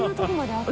あっ。